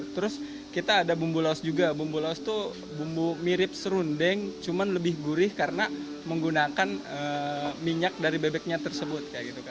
terus kita ada bumbu laos juga bumbu laos itu bumbu mirip serundeng cuma lebih gurih karena menggunakan minyak dari bebeknya tersebut